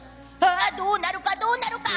どうなるか、どうなるか。